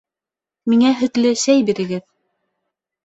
Миңә һөтлө сәй бирегеҙ